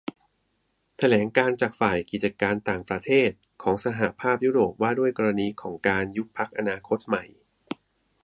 แถลงการจากโฆษกฝ่ายกิจการต่างประเทศของสหภาพยุโรปว่าด้วยกรณีของการ ยุบพรรคอนาคตใหม่